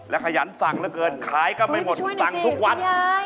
และขยันส่างเหลือเกินคล้ายกำไขหมดส่างทุกวัน